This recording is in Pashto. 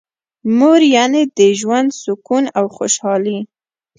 مور یعنی د ژوند سکون او خوشحالي.